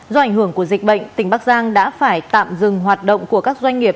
do ảnh hưởng của dịch bệnh tỉnh bắc giang đã phải tạm dừng hoạt động của các doanh nghiệp